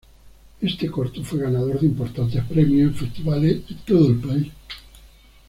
Este corto fue ganador de importantes premios en festivales en todo el país.